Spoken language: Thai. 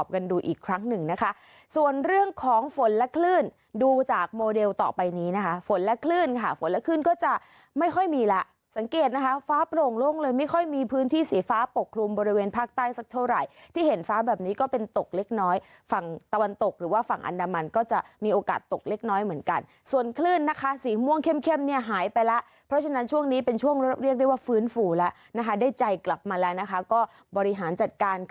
วันนี้นะคะฝนและคลื่นค่ะฝนและคลื่นก็จะไม่ค่อยมีละสังเกตนะคะฟ้าโปร่งลงเลยไม่ค่อยมีพื้นที่สีฟ้าปกลุ่มบริเวณภาคใต้สักเท่าไหร่ที่เห็นฟ้าแบบนี้ก็เป็นตกเล็กน้อยฝั่งตะวันตกหรือว่าฝั่งอันดามันก็จะมีโอกาสตกเล็กน้อยเหมือนกันส่วนคลื่นนะคะสีม่วงเข้มเนี่ยหายไปละเพราะฉะน